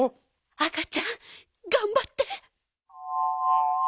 あかちゃんがんばって！